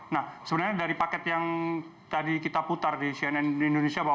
nah sebenarnya dari paket yang tadi kita putar di cnn indonesia